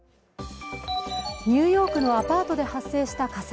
ニューヨークのアパートで発生した火災。